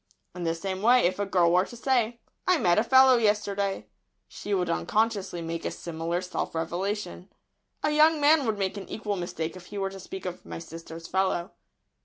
In the same way, if a girl were to say "I met a fellow yesterday," she would unconsciously make a similar self revelation. A young man would make an equal mistake if he were to speak of "my sister's fellow."